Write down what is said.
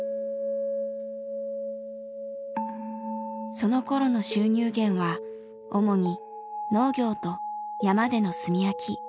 そのころの収入源は主に農業と山での炭焼き。